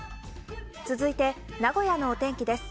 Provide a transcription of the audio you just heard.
続いて、名古屋のお天気です。